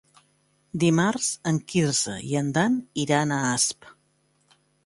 Dimarts en Quirze i en Dan iran a Asp.